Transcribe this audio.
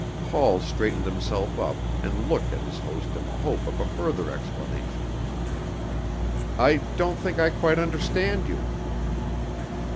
Paul straightened himself up, and looked at his host in the hope of a further explanation. "I don't think I quite understand you!"